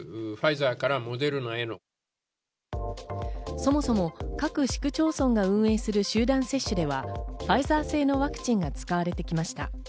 そもそも、各市区町村が運営する集団接種では、ファイザー製のワクチンが使われてきました。